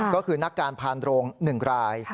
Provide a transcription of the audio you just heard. ก็คือนักการพานโรง๑ราย